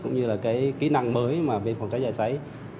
cũng như kỹ năng mới về phòng cháy chữa cháy